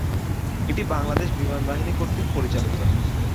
এটি বাংলাদেশ বিমান বাহিনী কর্তৃক পরিচালিত।